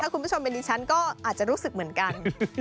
คุณผู้ชมเป็นดิฉันก็อาจจะรู้สึกเหมือนกัน